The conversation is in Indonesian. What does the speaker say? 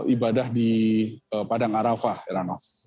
ibadah di padang arafah heranov